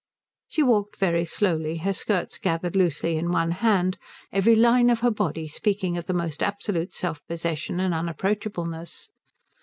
She walked very slowly, her skirts gathered loosely in one hand, every line of her body speaking of the most absolute self possession and unapproachableness.